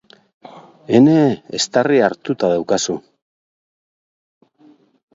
Ene, eztarria hartuta daukazu!